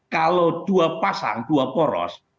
kalau dua pasang dua poros